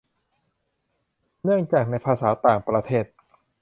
เนื่องจากในภาษาต่างประเทศ